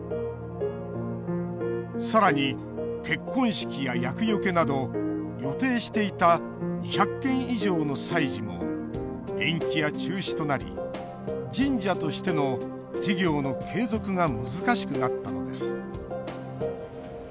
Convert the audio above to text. さらに、結婚式や厄よけなど予定していた２００件以上の祭事も延期や中止となり神社としての事業の継続が難しくなったのです。